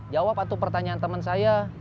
jawab atuh pertanyaan temen saya